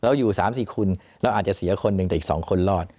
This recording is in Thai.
อยู่๓๔คนเราอาจจะเสียคนหนึ่งแต่อีก๒คนรอด